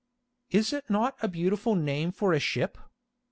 _ Is it not a beautiful name for a ship?